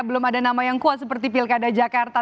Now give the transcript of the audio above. belum ada nama yang kuat seperti pilkada jakarta